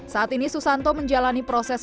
saat ini susanto menjalani proses